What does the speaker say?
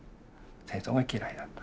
戦争が嫌いだった。